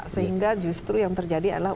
sehingga justru yang terjadi adalah